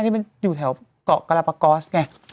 นี่มันอยู่แถวเกาะกรปกอสไง